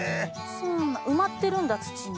埋まってるんだ土に。